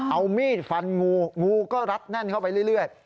เอามีดฟันงูงูก็รัดแน่นเข้าไปเรื่อย